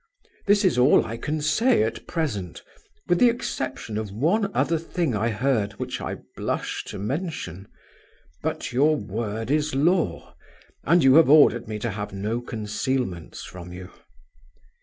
"This is all I can say at present, with the exception of one other thing I heard, which I blush to mention. But your word is law, and you have ordered me to have no concealments from you.